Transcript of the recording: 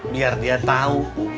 biar dia tahu